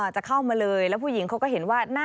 จะเข้ามาเลยแล้วผู้หญิงเขาก็เห็นว่า